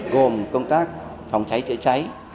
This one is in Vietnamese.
gồm công tác phòng cháy chữa cháy